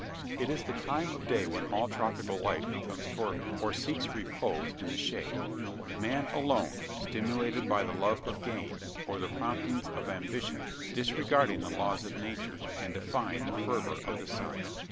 It is the time of day when all tropical life becomes torpid, or seeks repose in the shade; man alone, stimulated by the love of gain, or the promptings of ambition, disregarding the laws of nature, and defying the fervour of the sun.